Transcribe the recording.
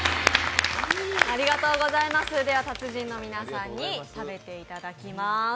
達人の皆さんに食べていただきます。